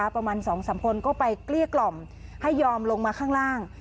ประมาณ๒๓คนก็ไปเกลี้ยกล่อมให้ยอมลงมาข้างล่าง